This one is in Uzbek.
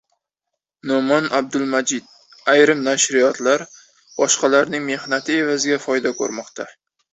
No‘’mon Abdulmajid: "Ayrim nashriyotlar boshqalarning mehnati evaziga foyda ko‘rmoqda"